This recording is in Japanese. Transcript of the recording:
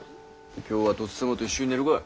今日はとっさまと一緒に寝るかい。